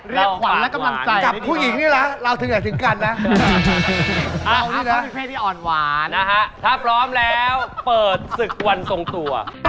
เรียกขวัญและกำลังใจกับผู้หญิงนี่แหละ